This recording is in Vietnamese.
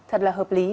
thật là hợp lý